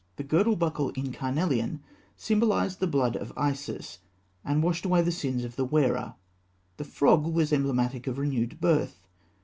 The girdle buckle in carnelian (fig. 210) symbolised the blood of Isis, and washed away the sins of the wearer. The frog (fig. 211) was emblematic of renewed birth.